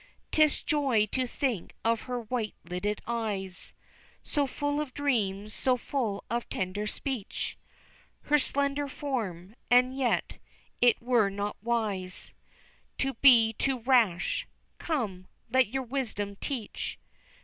'Tis joy to think of her white lidded eyes So full of dreams, so full of tender speech Her slender form and yet, it were not wise To be too rash come, let your wisdom teach.